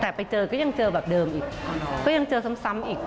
แต่ไปเจอก็ยังเจอแบบเดิมอีกก็ยังเจอซ้ำอีก